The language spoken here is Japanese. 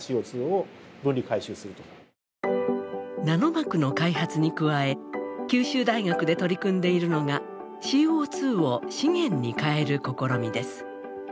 ナノ膜の開発に加え九州大学で取り組んでいるのがＣＯを資源に変える試みです。